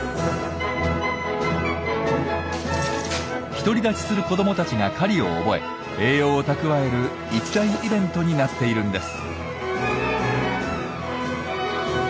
独り立ちする子どもたちが狩りを覚え栄養を蓄える一大イベントになっているんです。